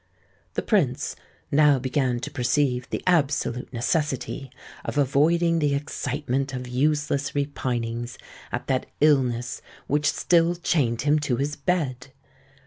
The Prince now began to perceive the absolute necessity of avoiding the excitement of useless repinings at that illness which still chained him to his bed.